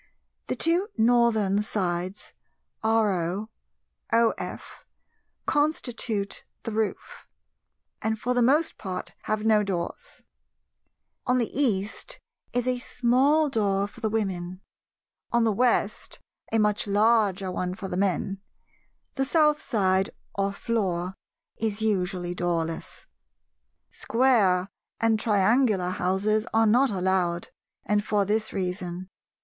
The two Northern sides RO, OF, constitute the roof, and for the most part have no doors; on the East is a small door for the Women; on the West a much larger one for the Men; the South side or floor is usually doorless. Square and triangular houses are not allowed, and for this reason.